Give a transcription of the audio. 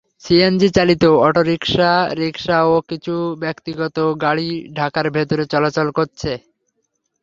সিএনজিচালিত auto rickshaw, rickshaw ও কিছু ব্যক্তিগত গাড়ি ঢাকার ভেতরে চলাচল করছে।